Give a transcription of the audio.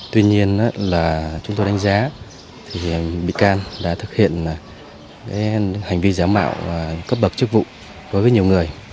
tuy nhiên là chúng tôi đánh giá thì bị can đã thực hiện hành vi giả mạo cấp bậc chức vụ đối với nhiều người